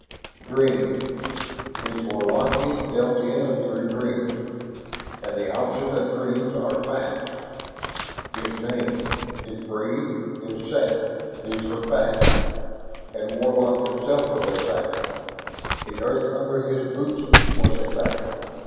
Dreams, these Warlockians dealt in and through dreams. And the opposite of dreams are facts! His name, his breed, his sex these were facts. And Warlock itself was a fact. The earth under his boots was a fact.